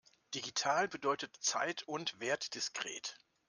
Digital bedeutet zeit- und wertdiskret.